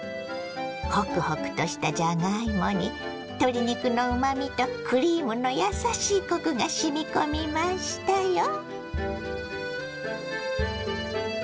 ホクホクとしたじゃがいもに鶏肉のうまみとクリームのやさしいコクがしみ込みましたよ。